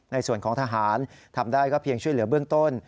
ในส่วนของทหารทำได้ก็เพียงช่วยเหลือเบื้องต้น